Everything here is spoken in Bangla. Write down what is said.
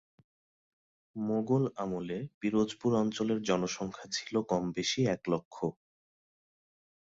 মোগল আমলে পিরোজপুর অঞ্চলের জনসংখ্যা ছিল কম-বেশি এক লক্ষ।